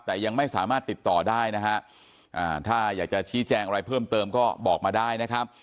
แต่ยังไม่สามารถติดต่อได้นะฮะถ้าอยากจะชี้แจงอะไรเพิ่มเติมก็บอกมาได้นะครับ